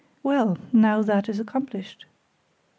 Well! Now that is accomplished.